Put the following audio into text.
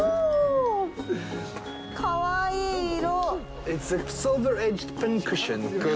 かわいい色。